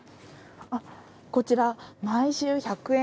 こちら、毎週１００円